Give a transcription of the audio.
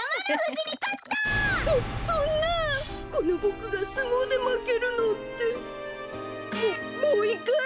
そそんなこのボクがすもうでまけるなんて。ももういっかい！